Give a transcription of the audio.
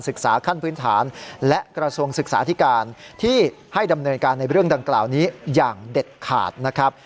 ขั้นพื้นฐานและกระทรวงศึกษาธิการที่ให้ดำเนินการในเรื่องดังกล่าวนี้อย่างเด็ดขาดนะครับ